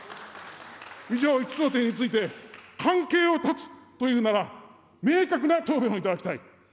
以上、５つの点について、関係を断つというなら、明確な答弁をいただきたい。